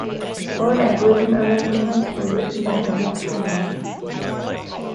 Horn and rhythm arrangements were written by Donald Fagen.